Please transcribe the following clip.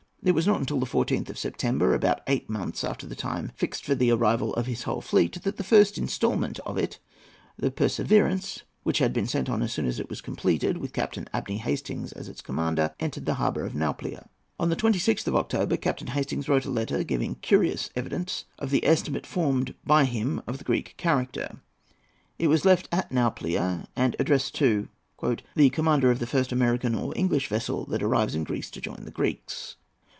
It was not till the 14th of September, about eight months after the time fixed for the arrival of his whole fleet, that the first instalment of it, the Perseverance, which he had sent on as soon as it was completed, with Captain Abney Hastings as its commander, entered the harbour of Nauplia. On the 26th of October, Captain Hastings wrote a letter, giving curious evidence of the estimate formed by him of the Greek character. It was left at Nauplia and addressed to "the commander of the first American or English vessel that arrives in Greece to join the Greeks."